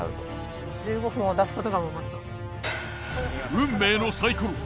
運命のサイコロ。